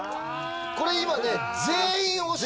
これ今ね。